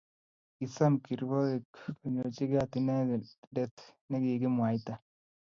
kisom kirwoke konyoichi kaat inendet ne kikimwaita.